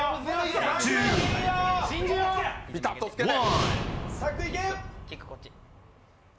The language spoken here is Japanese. ピタッとつけて！